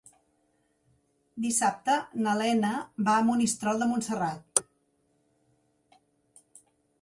Dissabte na Lena va a Monistrol de Montserrat.